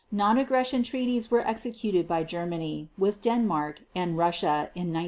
Non aggression treaties were executed by Germany with Denmark and Russia in 1939.